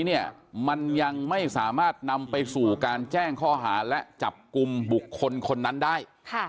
เนี่ยมันยังไม่สามารถนำไปสู่การแจ้งข้อหาและจับกลุ่มบุคคลคนนั้นได้